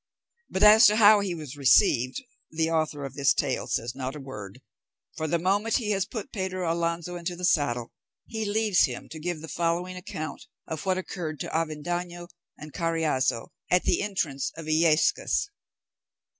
But as to how he was received, the author of this tale says not a word, for the moment he has put Pedro Alonso into the saddle, he leaves him to give the following account of what occurred to Avendaño and Carriazo at the entrance of Illescas.